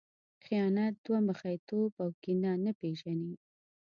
خیانت، دوه مخی توب او کینه نه پېژني.